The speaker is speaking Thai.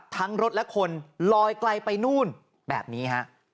ทั้งรถและคนลอยไกลไปนู่นแบบนี้